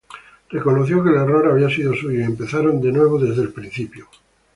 Reconoció que el error había sido suyo y empezaron de nuevo, desde el principio.